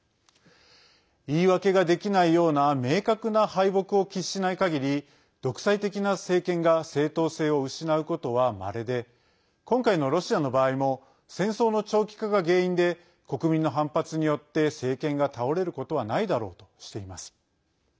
言い訳ができないような明確な敗北を喫しない限り独裁的な政権が正当性を失うことは、まれで今回のロシアの場合も戦争の長期化が原因で国民の反発によって政権が倒れることはないだろうとしています。